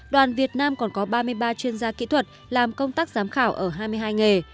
đoàn việt nam còn có ba mươi ba chuyên gia kỹ thuật làm công tác giám khảo ở hai mươi hai nghề